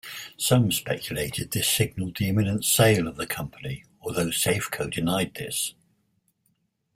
Some speculated this signalled the imminent sale of the company, although Safeco denied this.